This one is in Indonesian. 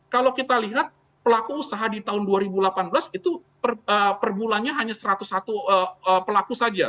kalau kita lihat pelaku usaha di tahun dua ribu delapan belas itu perbulannya hanya satu ratus satu pelaku saja